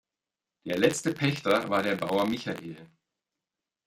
Der letzte Pächter war der Bauer Michael.